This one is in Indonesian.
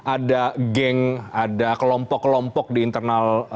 ada geng ada kelompok kelompok di internal